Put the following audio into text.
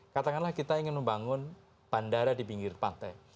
katakanlah kita ingin membangun bandara di pinggir pantai